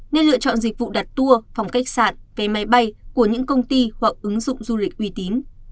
nên lựa chọn dịch vụ đặt tour phòng khách sạn vé máy bay của những công ty hoặc ứng dụng du lịch uy tín